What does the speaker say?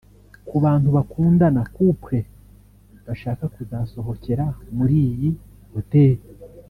Ku bantu bakundana (Couple) bashaka kuzasohokera muri iyi hoteli